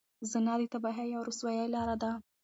زنا د تباهۍ او رسوایۍ لاره ده.